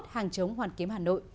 bảy mươi một hàng chống hoàn kiếm hà nội